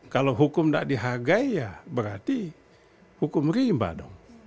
kalau hukum tidak dihargai ya berarti hukum rimba dong